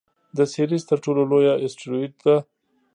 د سیریز تر ټولو لویه اسټرويډ ده.